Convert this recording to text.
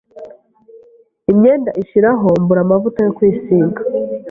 imyenda inshiraho, mbura amavuta yo kwisiga,